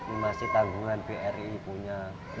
ini masih tanggungan bri punya